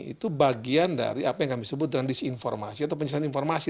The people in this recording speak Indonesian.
itu bagian dari apa yang kami sebut dengan disinformasi atau penyesuaian informasi